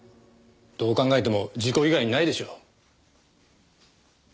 どう考えても事故以外にないでしょう。